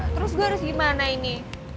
terus gue harus gimana ini